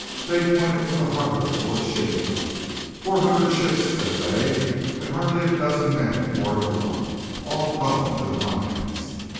They pointed to the harbour full of shipping. "Four hundred ships," said they, "and hardly a dozen men aboard the lot! All gone to the mines!"